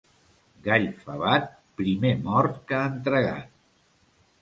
Gall favat, primer mort que entregat.